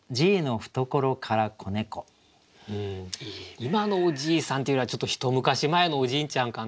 今のおじいさんっていうよりはちょっと一昔前のおじいちゃんかな。